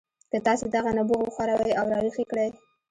که تاسې دغه نبوغ وښوروئ او راویښ یې کړئ